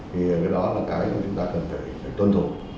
thì cái đó là cái chúng ta cần phải tôn thủ